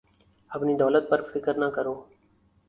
اپنی دولت پر فکر نہ کرو